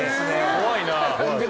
怖いな。